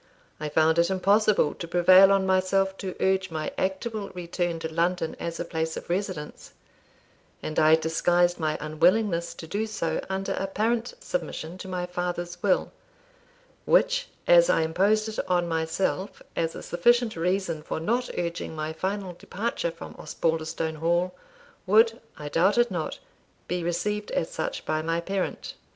I found it impossible to prevail on myself to urge my actual return to London as a place of residence, and I disguised my unwillingness to do so under apparent submission to my father's will, which, as I imposed it on myself as a sufficient reason for not urging my final departure from Osbaldistone Hall, would, I doubted not, be received as such by my parent.